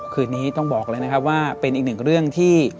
คืนนี้ต้องบอกเลยนะครับว่าเป็นอีกหนึ่งเรื่องที่